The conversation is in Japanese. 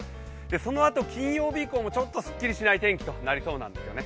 そのあと、金曜日以降もちょっとすっきりしない天気となりそうなんですね。